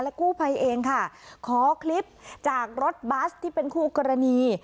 กู้ภัยเองค่ะขอคลิปจากรถบัสที่เป็นคู่กรณี